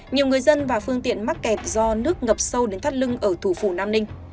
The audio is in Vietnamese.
nhiều người dân và phương tiện mắc kẹt do nước ngập sâu đến thắt lưng ở thủ phủ nam ninh